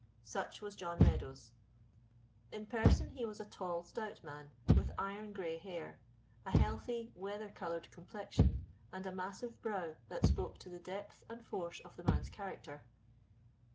Such was John Meadows. In person he was a tall, stout man, with iron gray hair, a healthy, weather colored complexion, and a massive brow that spoke to the depth and force of the man's character.